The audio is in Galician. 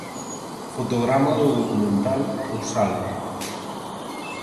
Fotograma do documental 'O Salto'.